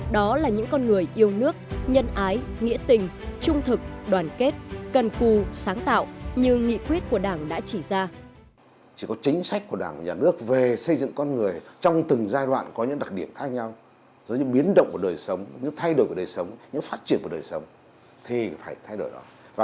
đó là những con người yêu nước nhân ái nghĩa tình trung thực đoàn kết cần cù sáng tạo như nghị quyết của đảng đã chỉ ra